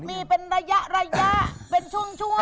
มีเป็นระยะเป็นช่วง